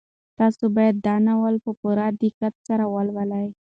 تاسو باید دا ناول په پوره دقت سره ولولئ.